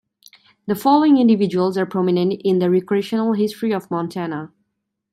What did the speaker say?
The following individuals are prominent in the recreational history of Montana.